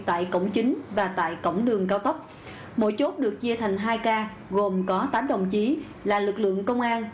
tại cổng chính và tại cổng đường cao tốc mỗi chốt được chia thành hai ca gồm có tám đồng chí là lực lượng công an